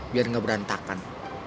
biar gak berantakan